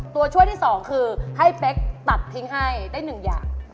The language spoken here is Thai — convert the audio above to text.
ตัวช่วยที่๒คือให้เป๊กตัดทิ้งให้ได้๑อย่าง